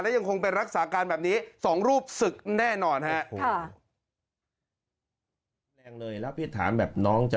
และยังคงเป็นรักษาการแบบนี้สองรูปศึกแน่นอนฮะ